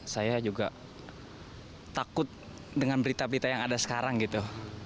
saya juga takut dengan berita berita yang ada sekarang gitu